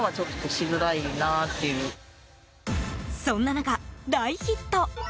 そんな中、大ヒット！